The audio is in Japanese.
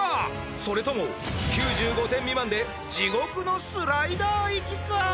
それとも９５点未満で地獄のスライダー行きか？